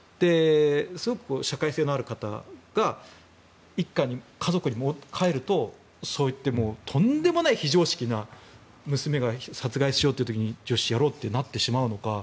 すごく社会性のある方が一家に、家族に帰るととんでもない非常識な娘が殺害しようという時によし、やろうとなってしまうのか